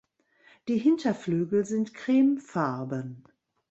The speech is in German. Die Hinterflügel sind cremefarben.